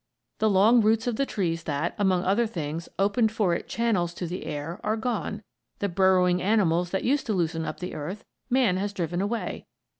The long roots of the trees that, among other things opened for it channels to the air, are gone. The burrowing animals that used to loosen up the earth, man has driven away.